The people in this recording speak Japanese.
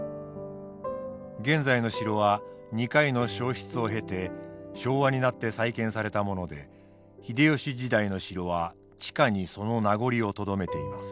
現在の城は２回の焼失を経て昭和になって再建されたもので秀吉時代の城は地下にその名残をとどめています。